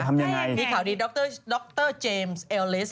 มีข่าวดีดรดรเจมส์เอลเลส